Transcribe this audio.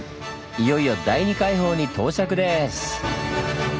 いよいよ第二海堡に到着です！